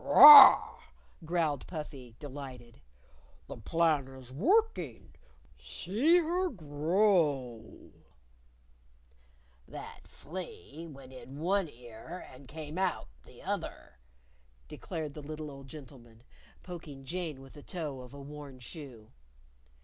"Rar!" growled Puffy, delighted. "The plan is working! See her growl!" "That flea went in one ear and came out the other," declared the little old gentleman, poking Jane with the toe of a worn shoe.